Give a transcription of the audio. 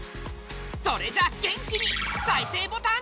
それじゃあ元気に再生ボタン。